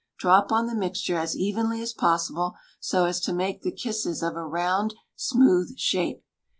Drop on the mixture as evenly as possible, so as to make the kisses of a round smooth shape.